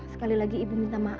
sekali lagi ibu minta maaf ya pak